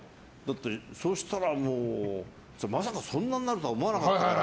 そうしたら、まさかそんなになるとは思わなかったから。